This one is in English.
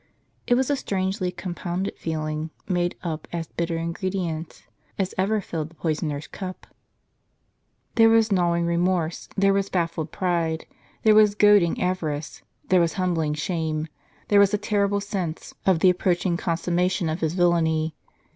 It was a strangely compounded feeling, made up of as bitter ingredients as ever filled the poisoner's cup. There was gnawing remorse; there was baffled pride ; there was goading avarice ; there was humbling shame ; there was a terrible sense of the approach ing consummation of his villany.